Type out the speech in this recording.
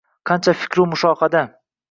Qancha fikru mushohada.